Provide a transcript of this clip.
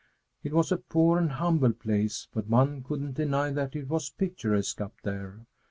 It was a poor and humble place, but one couldn't deny that it was picturesque up there.